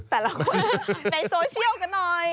แต่ละคนในโซเชียลกันหน่อย